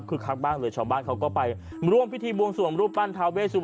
เริ่มเป็นเลข๖แล้วเริ่มเป็นเลข๐แล้ว